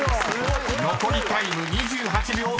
［残りタイム２８秒３１］